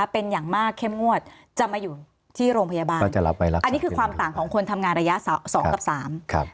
เป็นอย่างมากเข้มงวดจะมาอยู่ที่โรงพยาบาลอันนี้คือความต่างของคนทำงานระยะสองกับสามครับ